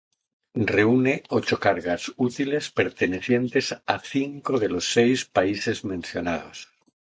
Reúne ocho cargas útiles pertenecientes a cinco de los seis países mencionados.